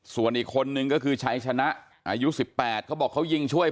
ส่วนอีกคนนึงก็คือชัยชนะอายุ๑๘เขาบอกเขายิงช่วย